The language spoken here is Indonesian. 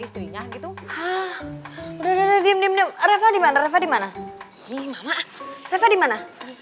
istrinya gitu udah udah diem diem reva dimana dimana